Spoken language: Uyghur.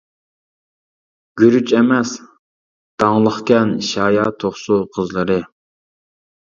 گۈرۈچ ئەمەس، داڭلىقكەن، شايار، توقسۇ قىزلىرى.